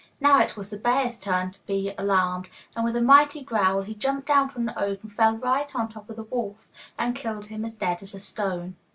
Now it was the bear's turn to be alarmed, and with a mighty growl he jumped down from the oak and fell right on the top of the wolf and killed him as dead as a stone.